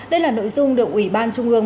đây là nội dung được ủy ban trung ương